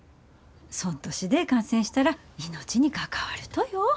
そん年で感染したら命に関わるとよ。